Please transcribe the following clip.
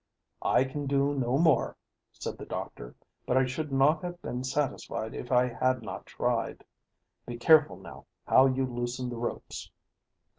"I can do no more," said the doctor, "but I should not have been satisfied if I had not tried. Be careful now how you loosen the ropes."